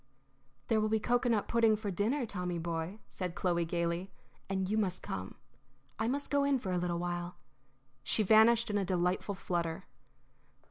"There will be cocoanut pudding for dinner, Tommy, boy," said Chloe, gayly, "and you must come. I must go in for a little while." She vanished in a delightful flutter.